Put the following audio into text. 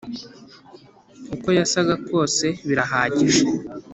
uko yasaga kose birahagije,